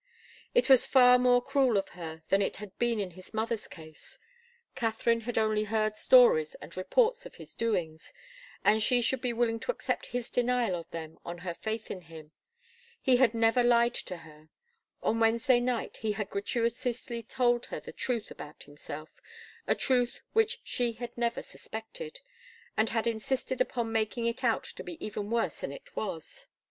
It was far more cruel of her than it had been in his mother's case. Katharine had only heard stories and reports of his doings, and she should be willing to accept his denial of them on her faith in him. He had never lied to her. On Wednesday night, he had gratuitously told her the truth about himself a truth which she had never suspected and had insisted upon making it out to be even worse than it was.